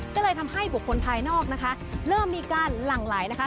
ก็เลยทำให้บุคคลภายนอกนะคะเริ่มมีการหลั่งไหลนะคะ